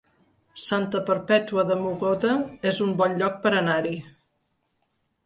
Santa Perpètua de Mogoda es un bon lloc per anar-hi